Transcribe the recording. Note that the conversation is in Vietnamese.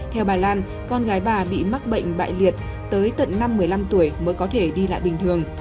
theo bà lan con gái bà bị mắc bệnh bại liệt tới tận năm một mươi năm tuổi mới có thể đi lại bình thường